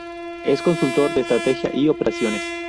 Es consultor de estrategia y operaciones.